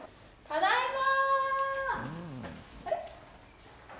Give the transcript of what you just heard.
ただいま。